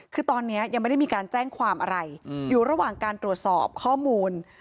คือตอนนี้ยังไม่ได้มีการแจ้งความอะไรอยู่ระหว่างการตรวจสอบข้อมูล